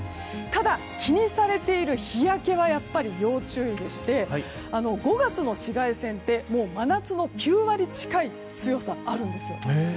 ただ、気にされている日焼けは要注意でして５月の紫外線って真夏の９割近い強さがあるんです。